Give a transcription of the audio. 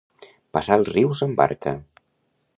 Passar els rius amb barca.